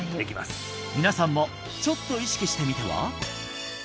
皆さんもちょっと意識してみては？